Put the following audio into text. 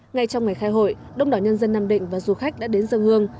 ngay trong ngày khai hội đông đảo nhân dân nam định và du khách đã đến dân hương